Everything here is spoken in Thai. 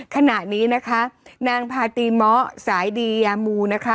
ขณะนี้นะคะนางพาตีเมาะสายดียามูนะคะ